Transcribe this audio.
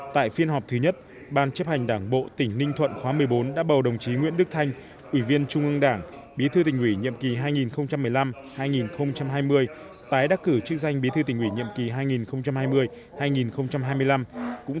tại phiên họp thứ nhất ban chấp hành đảng bộ tỉnh ninh thuận khóa một mươi bốn đã bầu đồng chí nguyễn đức thanh ủy viên trung ương đảng bí thư tỉnh ủy nhiệm kỳ hai nghìn một mươi năm hai nghìn hai mươi tái đắc cử chức danh bí thư tỉnh ủy nhiệm kỳ hai nghìn hai mươi hai nghìn hai mươi năm